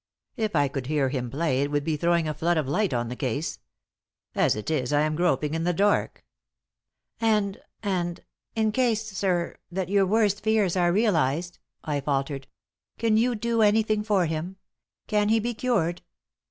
If I could hear him play it would be throwing a flood of light on the case. As it is, I am groping in the dark." "And and in case, sir, that your worst fears are realized," I faltered, "can you do anything for him? Can he be cured?"